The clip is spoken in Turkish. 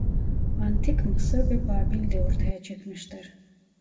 Antik Mısır ve Babil'de ortaya çıkmıştır.